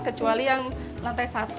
kecuali yang lantai satu